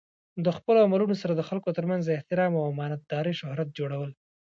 د خپلو عملونو سره د خلکو ترمنځ د احترام او امانت دارۍ شهرت جوړول.